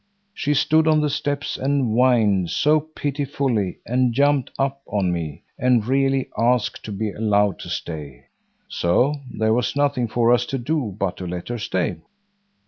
She stood on the steps and whined so pitifully and jumped up on me, and really asked to be allowed to stay. So there was nothing for us to do but to let her stay.